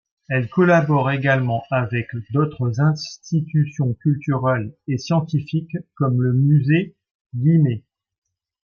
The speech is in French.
Elle collabore également avec d'autres institutions culturelles et scientifiques, comme le Musée Guimet.